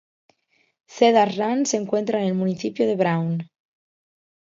Cedar Run se encuentra dentro del municipio de Brown.